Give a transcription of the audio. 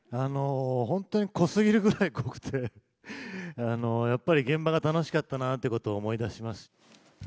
本当に濃すぎるくらい濃くて、やっぱり現場が楽しかったなっていうことを思い出します。